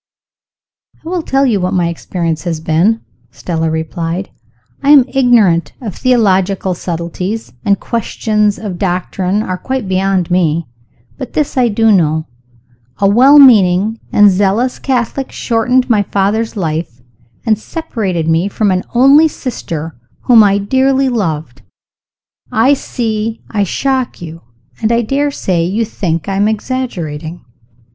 "I will tell you what my experience has been," Stella replied. "I am ignorant of theological subtleties, and questions of doctrine are quite beyond me. But this I do know. A well meaning and zealous Catholic shortened my father's life, and separated me from an only sister whom I dearly loved. I see I shock you and I daresay you think I am exaggerating?"